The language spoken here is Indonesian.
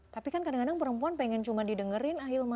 tapi kan kadang kadang perempuan pengen cuma didengerin ahilman